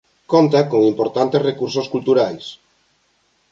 Conta con importantes recursos culturais.